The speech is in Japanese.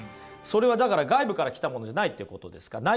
それはだから外部から来たものじゃないってことですか？